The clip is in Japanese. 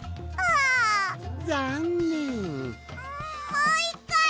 もういっかい！